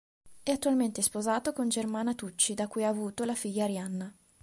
È attualmente sposato con Germana Tucci da cui ha avuto la figlia Arianna.